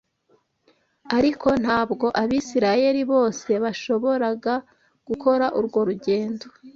Ariko nta bwo Abisirayeli bose bashoboraga gukora urwo rugendo